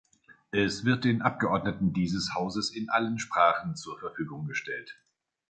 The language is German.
Es wird den Abgeordneten dieses Hauses in allen Sprachen zur Verfügung gestellt.